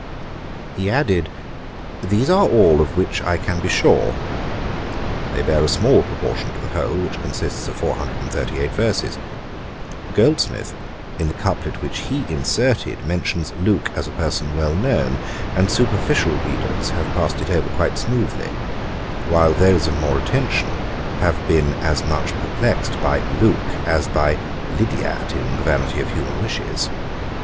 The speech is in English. He added, 'These are all of which I can be sure.' They bear a small proportion to the whole, which consists of four hundred and thirty eight verses. Goldsmith, in the couplet which he inserted, mentions Luke as a person well known, and superficial readers have passed it over quite smoothly; while those of more attention have been as much perplexed by Luke, as by Lydiat, in The Vanity of Human Wishes.